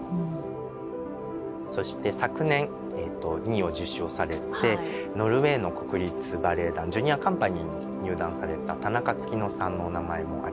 そして昨年２位を受賞されてノルウェーの国立バレエ団ジュニアカンパニーに入団された田中月乃さんのお名前もありますね。